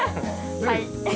はい。